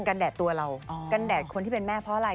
แดดตัวเรากันแดดคนที่เป็นแม่เพราะอะไร